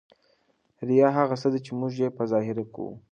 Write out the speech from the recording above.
ریا هغه څه دي ، چي موږ ئې په ظاهره کوو.